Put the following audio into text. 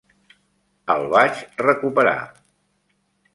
El vaig recuperar.